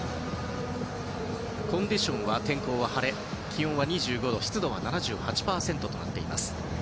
コンディション、天候は晴れ気温は２５度湿度は７８％となっています。